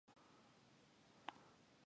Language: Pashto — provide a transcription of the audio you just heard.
د کیسې یو یو پراګراف په وار سره ولولي.